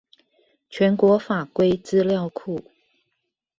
全國法規資料庫